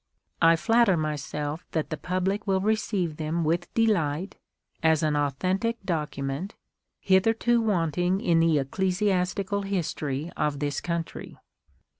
I flatter myself that the public will receive them with delight, as an authentic document,^ hitherto wanting in the ecclesi astical history of this country.